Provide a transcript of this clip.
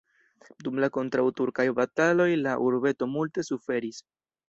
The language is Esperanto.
Dum la kontraŭturkaj bataloj la urbeto multe suferis.